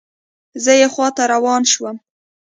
زه یې خواته روان شوم.